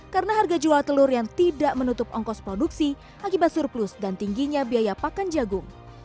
karena harga jual telur yang tidak menutup ongkos produksi akibat surplus dan tingginya biaya pakan jagung